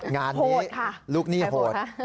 งานนี้ลูกหนี้โหด